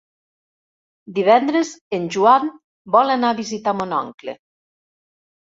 Divendres en Joan vol anar a visitar mon oncle.